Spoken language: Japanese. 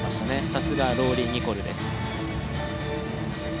さすがローリー・ニコルです。